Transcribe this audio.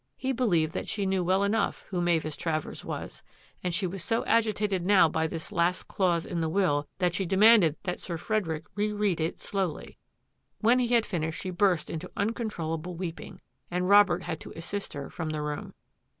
He believed that she knew well enough who Mavis Travers was, and she was so agitated now by this last clause in the will that she demanded that Sir Frederick re read it slowly. When he had finished she burst into uncontrol lable weeping, and Robert had to assist her from the room.